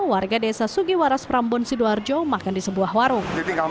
warga desa sugiwaras prambun sidoarjo makan di sebuah warung